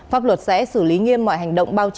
pháp luật sẽ xử lý nghiêm mọi hành động bao che